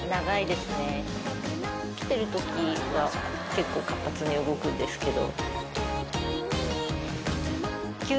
起きてるときは結構活発に動くんですけど。